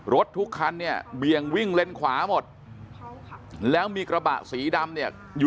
รถทุกคันเนี่ยเบี่ยงวิ่งเลนขวาหมดแล้วมีกระบะสีดำเนี่ยอยู่